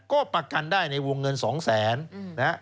ก็ประกันได้ในวงเงิน๒๐๐๐๐๐บาท